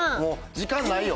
時間ないよ。